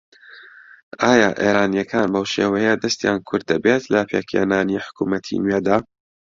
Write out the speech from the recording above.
ئایا ئێرانییەکان بەو شێوەیە دەستیان کورت دەبێت لە پێکهێنانی حکوومەتی نوێدا؟